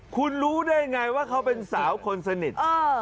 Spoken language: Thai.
คุณรู้ได้ไงว่าเขาเป็นสาวคนสนิท